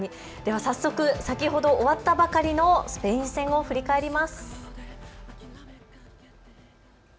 早速、先ほど終わったばかりのスペイン戦を振り返ります。